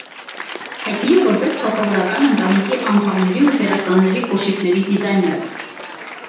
Հայտնի է որպես թագավորական ընտանիքի անդամների ու դերասանների կոշիկների դիզայներ։